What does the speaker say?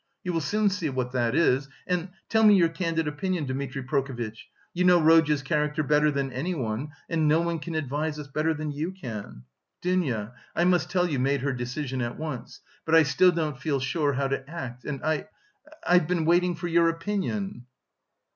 you will soon see what that is, and... tell me your candid opinion, Dmitri Prokofitch! You know Rodya's character better than anyone and no one can advise us better than you can. Dounia, I must tell you, made her decision at once, but I still don't feel sure how to act and I... I've been waiting for your opinion."